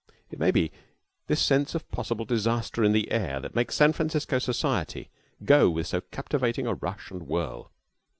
It may be this sense of possible disaster in the air that makes San Francisco society go with so captivating a rush and whirl.